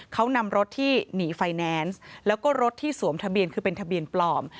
เขานำรถที่หนีไฟแนนซ์แล้วก็รถที่สวมทะเบียนคือเป็นทะเบียนปลอม